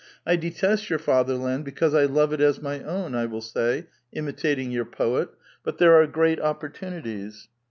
' I detest your fatherland because I love it as my own,' I will say, imitating your poet ; but there are great opportunities."